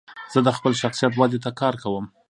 زه د خپل شخصیت ودي ته کار کوم.